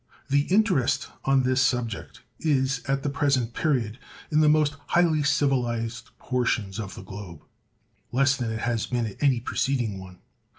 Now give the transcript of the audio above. The interest on this subject is, at the present period, in the most highly civilized portions of the globe, less than it has been at any preceding one.